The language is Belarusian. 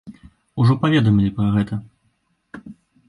Ужо паведамілі пра гэта.